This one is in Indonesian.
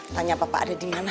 tanya bapak ada di mana